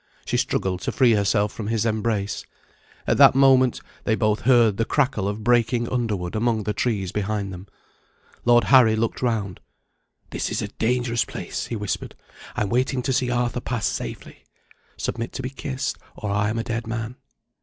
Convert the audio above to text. She struggled to free herself from his embrace. At that moment they both heard the crackle of breaking underwood among the trees behind them. Lord Harry looked round. "This is a dangerous place," he whispered; "I'm waiting to see Arthur pass safely. Submit to be kissed, or I am a dead man."